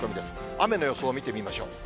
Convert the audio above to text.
雨の予想を見てみましょう。